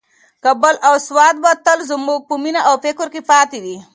کابل او سوات به تل زموږ په مینه او فکر کې پاتې وي.